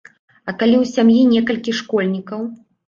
А калі ў сям'і некалькі школьнікаў?